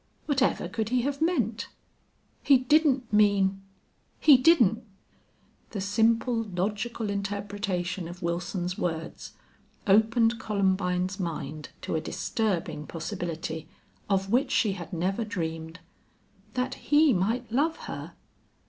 "What ever could he have meant? He didn't mean he didn't " The simple, logical interpretation of Wilson's words opened Columbine's mind to a disturbing possibility of which she had never dreamed. That he might love her!